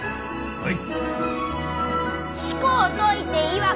はい！